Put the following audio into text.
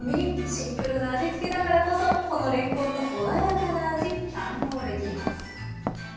シンプルな味付けだからこそこのれんこんの穏やかな味堪能できます。